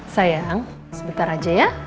sayang sebentar aja ya